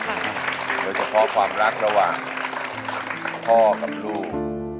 โดยเฉพาะความรักระหว่างพ่อกับลูก